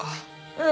うん。